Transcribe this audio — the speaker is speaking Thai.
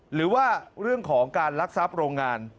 หรือว่าเรื่องของการลักทรัพย์โรงงาน